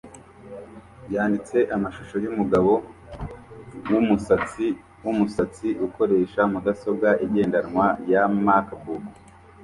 yanditse amashusho yumugabo wumusatsi wumusatsi ukoresha mudasobwa igendanwa ya MacBook